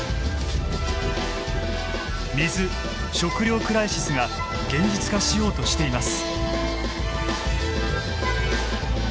水・食料クライシスが現実化しようとしています。